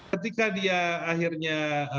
ketika dia akhirnya